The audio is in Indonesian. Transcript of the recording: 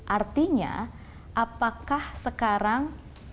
artinya apakah sekarang